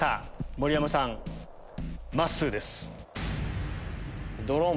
盛山さんまっすーです。